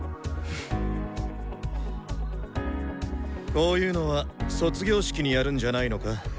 こういうのは卒業式にやるんじゃないのか？